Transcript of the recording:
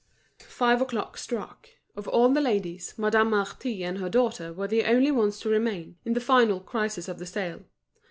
Five o'clock struck. Of all the ladies, Madame Marty and her daughter were the only ones to remain, in the final crisis of the sale.